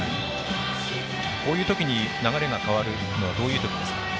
こういう時に流れが変わるのはどういう時ですか？